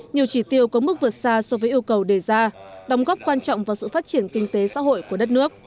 nhiều chỉ tiêu có mức vượt xa so với yêu cầu đề ra đóng góp quan trọng vào sự phát triển kinh tế xã hội của đất nước